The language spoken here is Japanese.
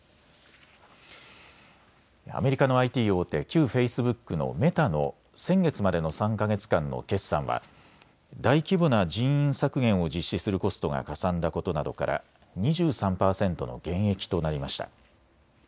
アメリカのＩＴ大手、旧フェイスブックのメタの先月までの３か月間の決算は大規模な人員削減を実施するコストがかさんだことなどから２３％の減益となりました。